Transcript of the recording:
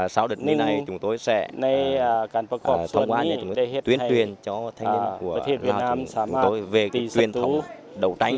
sau đợt này chúng tôi sẽ tham quan tuyên truyền cho thanh niên của lào chúng tôi về truyền thống đầu tranh